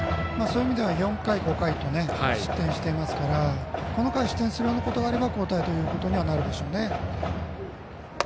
そういう意味では４回、５回と失点していますからこの回に失点することがあれば交代となるでしょうね。